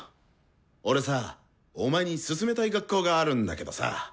俺さお前に勧めたい学校があるんだけどさ。